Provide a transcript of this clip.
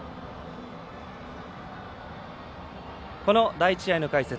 この第１試合の解説